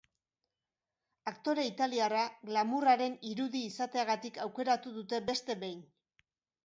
Aktore italiarra glamourraren irudi izateagatik aukeratu dute beste behin.